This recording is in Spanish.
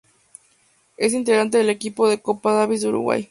Es integrante del Equipo de Copa Davis de Uruguay